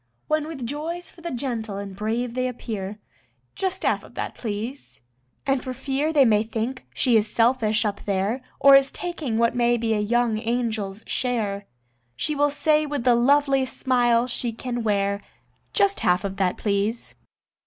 When with joys for the gentle and brave they appear: "Just half of that, please." And for fear they may think she is selfish up there, Or is taking what may be a young angel's share, She will say with the loveliest smile she can wear: "Just half of that, please."